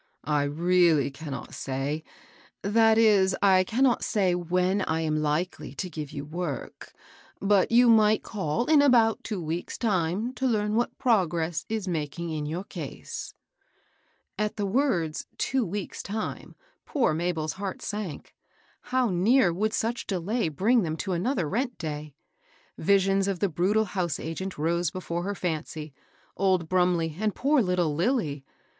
"I really cannot say, — that is, I cannot say when I am likely to give you work; but you might call in about two weeks' time to learn what progress is making in your case." THE LADY PRESIDENT. 361 At the words " two weeks* time," poor JMabel's heart sank. How near, would* such* delay bring them to another rent day I Visions of the brutal house agent rose before her fancy, — old Brumbley and poor little Lilly!